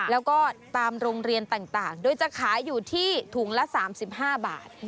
แล้วก็ตามโรงเรียนต่างโดยจะขายอยู่ที่ถุงละ๓๕บาท